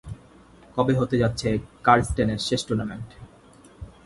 কবে হতে যাচ্ছে কারস্টেনের শেষ টুর্নামেন্ট?